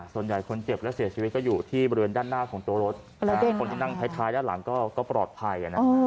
ส่วนใหญ่คนเจ็บและเสียชีวิตก็อยู่ที่บริเวณด้านหน้าของตัวรถคนที่นั่งท้ายด้านหลังก็ปลอดภัย